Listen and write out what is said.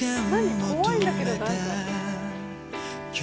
怖いんだけど。